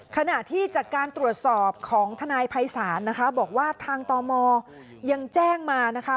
ขณะที่จากการตรวจสอบของทนายภัยศาลนะคะบอกว่าทางตมยังแจ้งมานะคะ